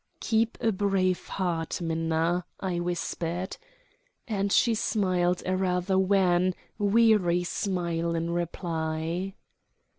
"Keep a brave heart, Minna," I whispered. And she smiled a rather wan, weary smile in reply.